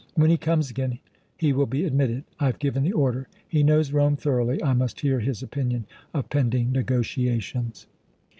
When he comes again he will be admitted. I have given the order. He knows Rome thoroughly. I must hear his opinion of pending negotiations."